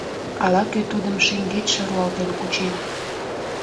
Ала-кӧ тудым шеҥгечше руалтен кучен.